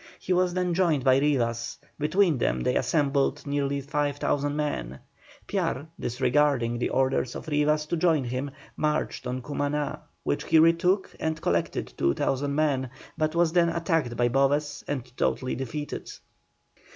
He was then joined by Rivas; between them they assembled nearly 5,000 men. Piar, disregarding the orders of Rivas to join him, marched on Cumaná, which he retook and collected 2,000 men, but was then attacked by Boves and totally defeated.